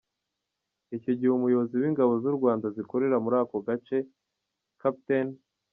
Icyo gihe Umuyobozi w’Ingabo z’u Rwanda zikorera muri ako gace, Capt.